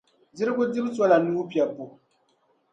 Dirigu dibu sola nuu piɛbbu.